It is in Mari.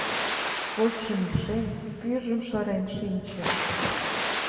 Почшым ишен, пӱйжым шырен шинче.